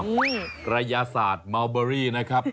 กระยะสาติมัลเบอรี่นะครับ